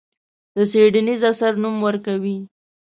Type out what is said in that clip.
د څېړنیز اثر نوم ورکوي.